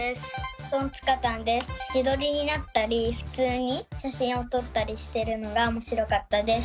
自撮りになったり普通に写真を撮ったりしてるのが面白かったです。